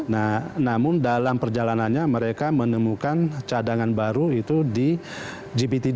nah namun dalam perjalanannya mereka menemukan cadangan baru itu di gpt dua